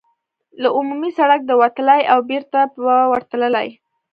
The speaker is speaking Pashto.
له عمومي سړک ته وتلای او بېرته به ورتللای.